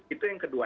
itu yang kedua